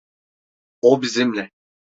O bizimle.